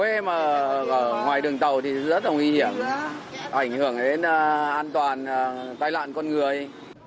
nếu mà mở quán cà phê ngoài đường tàu thì rất là nguy hiểm ảnh hưởng đến an toàn tai loạn con người